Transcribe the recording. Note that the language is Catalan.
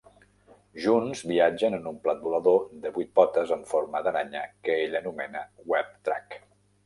Junts viatgen en un plat volador de vuit potes en forma d'aranya que ella anomena Web-Trac.